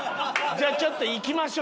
じゃあちょっといきましょう。